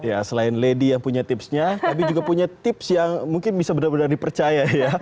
ya selain lady yang punya tipsnya tapi juga punya tips yang mungkin bisa benar benar dipercaya ya